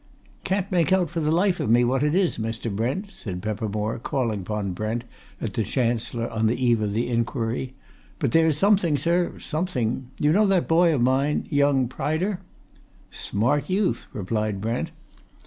"Can't make out for the life of me what it is, Mr. Brent!" said Peppermore, calling upon Brent at the Chancellor on the eve of the inquiry. "But there's something, sir, something! You know that boy of mine young Pryder?" "Smart youth!" replied Brent.